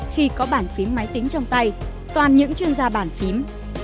khi có bản phím máy tính trong tay toàn những chuyên gia bản phím